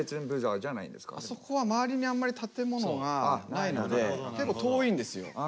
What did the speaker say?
あそこは周りにあんまり建物がないので結構遠いんですよ。